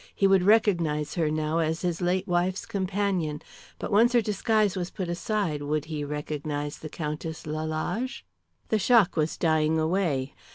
He would recognize her now as his late wife's companion, but once her disguise was put aside would he recognize the Countess Lalage? The shock was dying away.